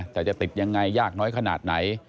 แต่จะติดยังไงยากน้อยขนาดไหน